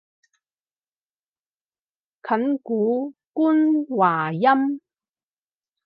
近古官話音